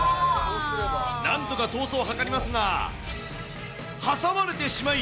なんとか逃走を図りますが、挟まれてしまい、